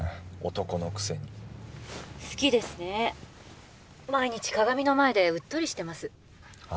男のくせに好きですね毎日鏡の前でうっとりしてますあ